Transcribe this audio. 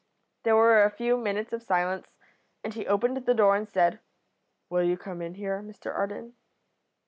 There were a few minutes of silence, and he opened the door and said, 'Will you come in here, Mr Arden?'